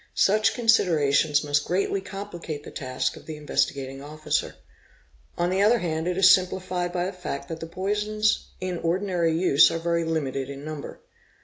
Such considerations must greatly complicate the task of the Investigating Officer. On the other hand, it is simplified by the fact that the poisons in ordinary use are very limited in number.